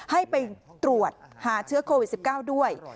ให้ไปตรวจหาเชื้อโควิด๑๙ด้วย